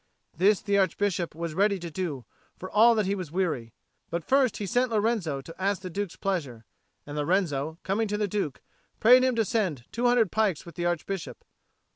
This the Archbishop was ready to do, for all that he was weary. But first he sent Lorenzo to ask the Duke's pleasure; and Lorenzo, coming to the Duke, prayed him to send two hundred pikes with the Archbishop.